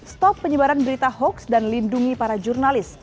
stop penyebaran berita hoaks dan lindungi para jurnalis